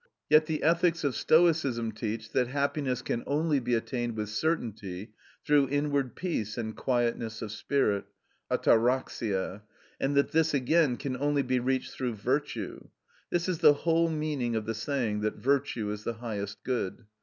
Yet the ethics of Stoicism teach that happiness can only be attained with certainty through inward peace and quietness of spirit (αταραξια), and that this again can only be reached through virtue; this is the whole meaning of the saying that virtue is the highest good.